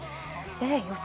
予想